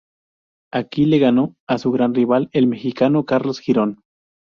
Aquí le ganó a su gran rival, el mexicano Carlos Girón.